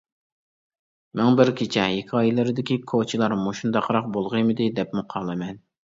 ‹ ‹مىڭ بىر كېچە› › ھېكايىلىرىدىكى كوچىلار مۇشۇنداقراق بولغىيمىدى دەپمۇ قالىمەن.